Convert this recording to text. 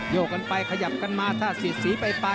โยกกันไปขยับกันมาถ้าเสียดสีไป